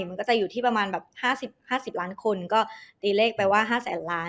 มันก็จะอยู่ที่ประมาณแบบห้าสิบห้าสิบล้านคนก็ตีเลขไปว่าห้าแสนล้าน